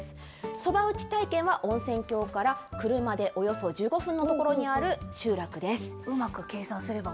そば打ち体験は温泉郷から車でおよそ１５分の所にある集落です。